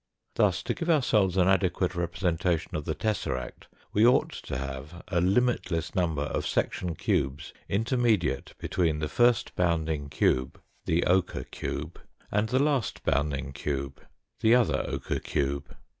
Thus to give ourselves an adequate representation of the tesseract we ought to have a limitless number of section cubes intermediate between the first bounding cube, the 178 REMARKS ON THE FIGURES 170 ochre cube, and the last bounding cube, the other ochre cube.